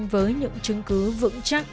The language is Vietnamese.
với những chứng cứ vững chắc